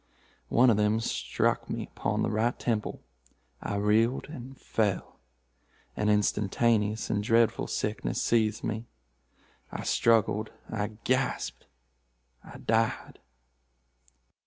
One of them struck me upon the right temple. I reeled and fell. An instantaneous and dreadful sickness seized me. I struggled—I gasped—I died."